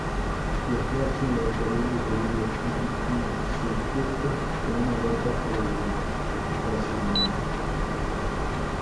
Viaja a Chile, Perú y Bolivia en usufructo de una beca educacional.